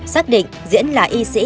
xác định diễn là y sĩ